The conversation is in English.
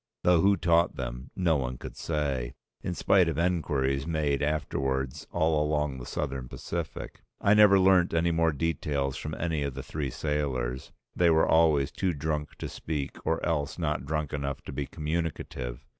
Though who taught them no one could say, in spite of enquiries made afterwards all along the Southern Pacific. I never learnt any more details from any of the three sailors, they were always too drunk to speak or else not drunk enough to be communicative.